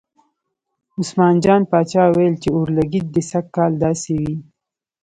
عثمان جان پاچا ویل چې اورلګید دې سږ کال داسې وي.